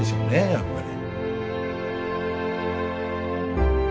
やっぱり。